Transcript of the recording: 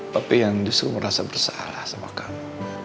tapi yang justru merasa bersalah sama kami